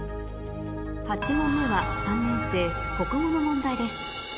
８問目は３年生国語の問題です